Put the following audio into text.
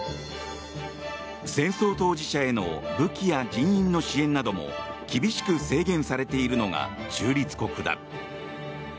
戦争当事者への武器や人員の支援なども厳しく制限されているのが中立国だ。